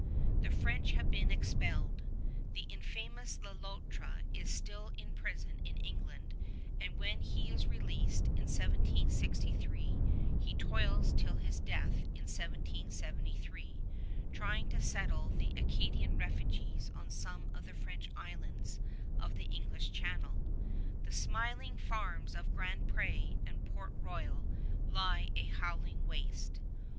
The French have been expelled. The infamous Le Loutre is still in prison in England, and when he is released, in 1763, he toils till his death, in 1773, trying to settle the Acadian refugees on some of the French islands of the English Channel. The smiling farms of Grand Pré and Port Royal lie a howling waste.